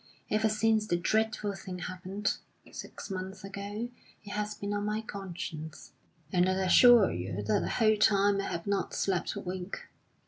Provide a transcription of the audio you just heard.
Ever since the dreadful thing happened six months ago it has been on my conscience, and I assure you that the whole time I have not slept a wink.